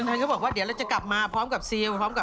ซิ่งที่มาสิบวันแล้ว